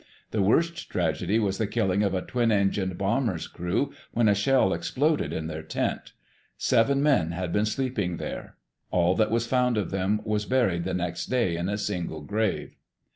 The worst tragedy was the killing of a twin engined bomber's crew when a shell exploded in their tent. Seven men had been sleeping there. All that was found of them was buried the next day in a single grave.